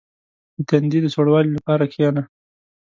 • د تندي د سوړوالي لپاره کښېنه.